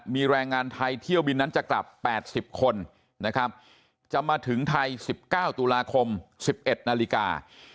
มีแรงงานไทยเที่ยวบินนั้นจะกลับ๘๐คนนะครับจะมาถึงไทย๑๙ตุลาคม๑๑นาฬิกา